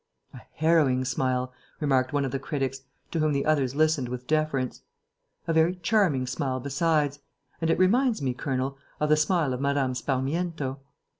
"A harrowing smile," remarked one of the critics, to whom the others listened with deference. "A very charming smile, besides; and it reminds me, Colonel, of the smile of Mme. Sparmiento."